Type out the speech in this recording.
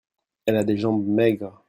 elle a des jambes maigres.